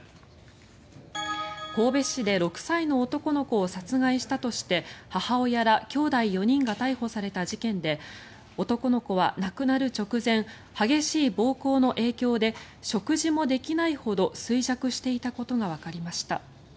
神戸市で６歳の男の子を殺害したとして母親らきょうだい４人が逮捕された事件で男の子は亡くなる直前激しい暴行の影響で食事もできないほど衰弱していたことがわかりました。